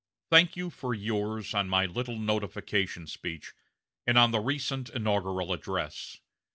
Thank you for yours on my little notification speech, and on the recent inaugural address.